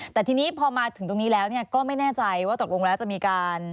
แต่ทีนี้พอมาถึงตรงนี้แล้วก็ไม่แน่ใจว่าตกลงแล้วจะมีการ